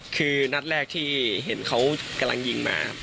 คือนัดแรกที่เห็นเขากำลังยิงมาครับ